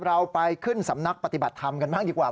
เราไปขึ้นสำนักปฏิบัติธรรมกันบ้างดีกว่า